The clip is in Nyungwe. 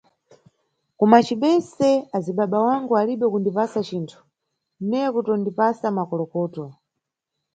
Ku macibese azibabangu alibe kundiwuza cinthu, neye kutondipasa makolokoto.